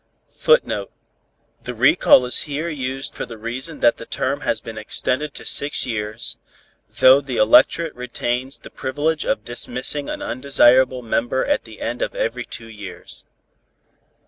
[Footnote: The recall is here used for the reason that the term has been extended to six years, though the electorate retains the privilege of dismissing an undesirable member at the end of every two years.